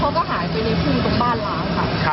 เขาก็หายไปในทุ่งตรงบ้านล้างค่ะ